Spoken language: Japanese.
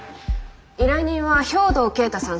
依頼人は兵藤圭太さん